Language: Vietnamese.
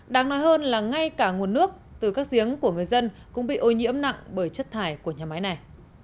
đáng nói hơn là ngay cả nguồn nước từ các giếng của người dân cũng bị ô nhiễm nặng bởi chất thải của nhà máy này